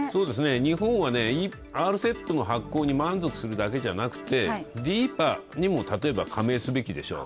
日本はＲＣＥＰの発効に満足するだけじゃなくてＤＥＰＡにも、例えば加盟すべきでしょう。